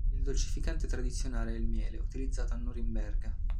Il dolcificante tradizionale è il miele, utilizzato a Norimberga.